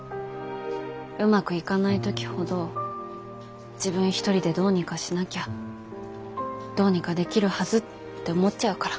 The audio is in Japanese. うまくいかない時ほど自分一人でどうにかしなきゃどうにかできるはずって思っちゃうから。